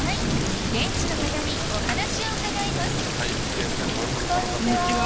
現地の方にお話を伺いますこんにちは。